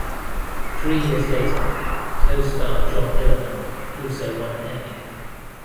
Three years later, co-star John Hillerman also won an Emmy.